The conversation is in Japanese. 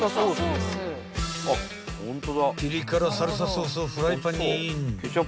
［ピリ辛サルサソースをフライパンにイン］